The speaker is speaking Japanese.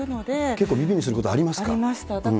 結構耳にすることありますか。